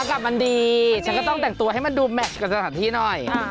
กับมันดีฉันก็ต้องแต่งตัวให้มันดูแมทกับสถานที่หน่อย